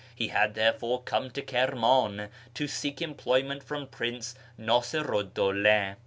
He had therefore come to Kirman to seek employment from Prince Nasiru 'd Dawla.